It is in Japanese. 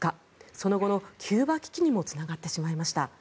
その後のキューバ危機にもつながってしまいました。